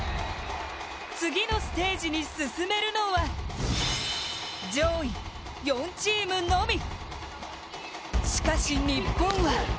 次のステージに進めるのは上位４チームのみ。